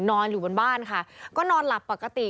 นอนอยู่บนบ้านค่ะก็นอนหลับปกติ